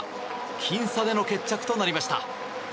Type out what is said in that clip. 僅差での決着となりました。